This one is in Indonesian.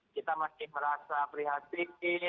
kita masih merasa prihatin